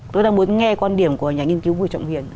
tôi đang muốn nghe quan điểm của nhà nghiên cứu vui trọng huyền